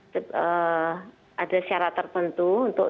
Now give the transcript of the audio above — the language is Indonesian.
tapi ada secara tertentu untuk